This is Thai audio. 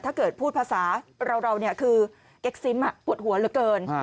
ถ้าเกิดพูดภาษาเราคือเอ็กซิมปวดหัวเหลือเกิน